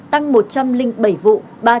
tăng một trăm linh bảy vụ